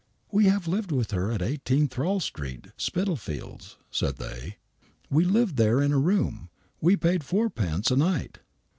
" We have lived with her at 18 Thrawl Street, Spitalfields," said they. "We lived there in a room. We paid four pence a night."